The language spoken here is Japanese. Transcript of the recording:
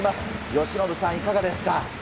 由伸さん、いかがですか？